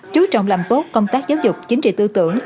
chú trọng làm tốt công tác giáo dục chính trị tư tưởng